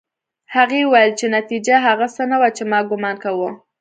هغې وویل چې نتيجه هغه څه نه وه چې ما ګومان کاوه